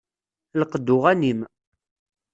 Lqed n uɣanim.